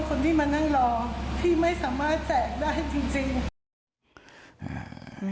แจกได้จริง